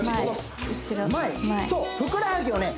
そうふくらはぎをね